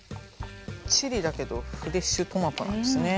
チリだけどフレッシュトマトなんですね。